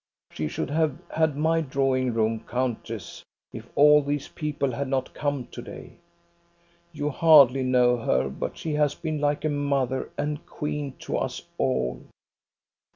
She should have had my drawing room, countess, if all these people had not come to day. You hardly know her, but she has been like a mother and queen to us all.